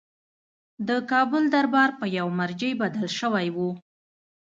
د کابل دربار په یوه مرجع بدل شوی وو.